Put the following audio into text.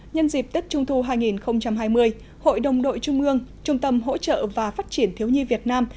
nhân dịp tết trung thu hai nghìn hai mươi hội đồng đội trung ương trung tâm hỗ trợ và phát triển thiếu nhi việt nam